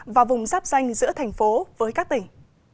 và vùng giáp danh giữa thành phố với các tỉnh